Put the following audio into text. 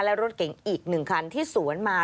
และรถเก๋งอีก๑คันที่สวนมา